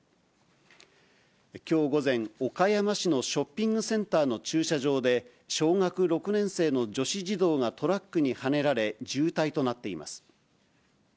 きょう午前、岡山市のショッピングセンターの駐車場で、小学６年生の女子児童がトラックにはねられ、重体となっています。